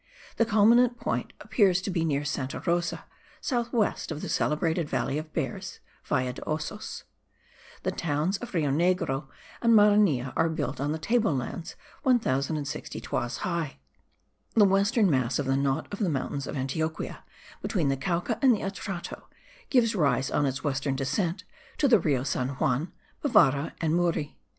The culminant point appears to be near Santa Rosa, south west of the celebrated Valley of Bears (Valle de Osos). The towns of Rio Negro and Marinilla are built on table lands 1060 toises high. The western mass of the knot of the mountains of Antioquia, between the Cauca and the Atrato, gives rise, on its western descent, to the Rio San Juan, Bevara, and Murri.